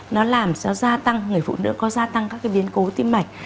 nó làm cho người phụ nữ có gia tăng các biến cố tim mạch